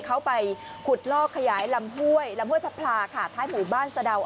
เขาไปขุดลอกขยายลำห้วยพระพลาคาที่หมู่บ้านสดาว